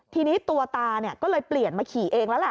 ทีนี้ตัวตาก็เลยเปลี่ยนมาขี่เองแล้วล่ะ